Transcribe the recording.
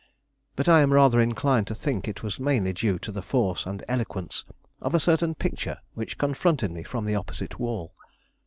But I am rather inclined to think it was mainly due to the force and eloquence of a certain picture which confronted me from the opposite wall.